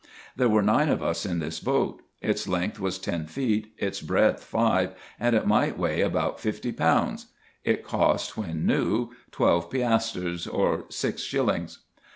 There were nine of us in this boat. Its length was ten feet, its breadth five, and it might weigh about fifty pounds. It cost, when new, twelve piastres, or six shillings.